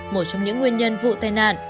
một trong những nguyên nhân vụ tai nạn